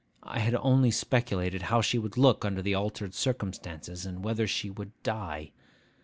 I had only speculated how she would look under the altered circumstances, and whether she would die.